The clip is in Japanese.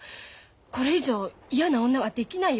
これ以上嫌な女はできないよ